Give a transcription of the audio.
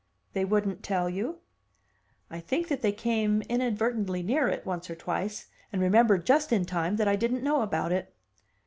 "They wouldn't tell you?" "I think that they came inadvertently near it, once or twice, and remembered just in time that I didn't know about it."